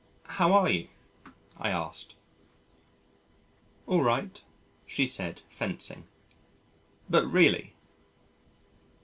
"How are you?" I asked. "All right," she said, fencing. "But really?"